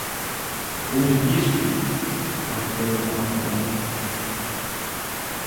„Wohin gehst du?“, fragte der junge Araber.